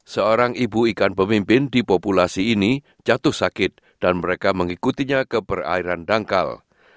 seorang ibu ikan pemimpin di populasi ini jatuh sakit dan mereka mengikutinya ke perairan dangkal